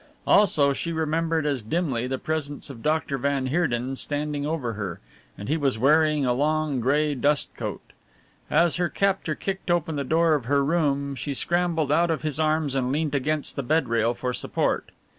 Also she remembered as dimly the presence of Dr. van Heerden standing over her, and he was wearing a long grey dust coat. As her captor kicked open the door of her room she scrambled out of his arms and leant against the bed rail for support.